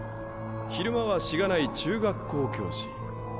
昼間はしがない中学校教師。